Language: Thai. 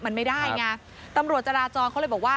มันไม่ได้ไงตำรวจจราจรเขาเลยบอกว่า